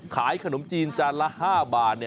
ขายขนมจีนจานละ๕บาท